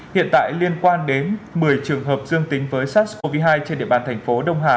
hiện tại liên quan đến một mươi trường hợp dương tính với sars cov hai trên địa bàn thành phố đông hà